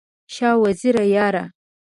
شاه وزیره یاره!